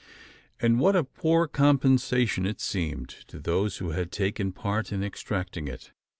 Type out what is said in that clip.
And what a poor compensation it seemed, to those who had taken part in exacting it!